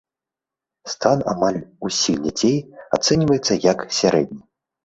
Стан амаль усіх дзяцей ацэньваецца як сярэдні.